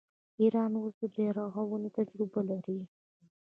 ایران اوس د بیارغونې تجربه لري.